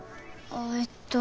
えーっと。